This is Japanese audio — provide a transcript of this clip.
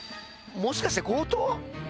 もしかして強盗！？